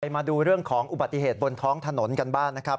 มาดูเรื่องของอุบัติเหตุบนท้องถนนกันบ้างนะครับ